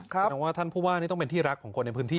แต่ว่าท่านผู้ว่านี่ต้องเป็นที่รักของคนในพื้นที่